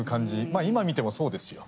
まあ今見てもそうですよ。